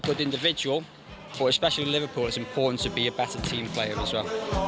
หรือในลิเวอร์พูดถึงลิเวอร์พูดคุณก็ต้องเป็นคนทีมเวิร์ค